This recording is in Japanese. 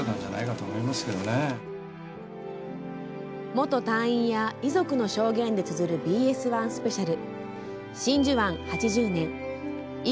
元隊員や遺族の証言でつづるＢＳ１スペシャル。